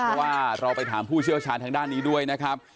เพราะว่าเราไปถามผู้เชี่ยวชาญทางด้านนี้ด้วยนะครับ